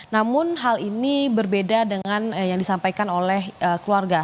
namun hal ini berbeda dengan yang disampaikan oleh keluarga